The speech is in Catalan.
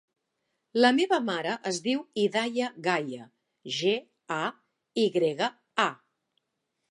La meva mare es diu Hidaya Gaya: ge, a, i grega, a.